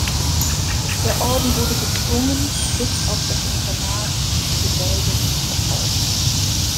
Der Orden wurde gezwungen, bis auf das Internat die Gebäude zu verkaufen.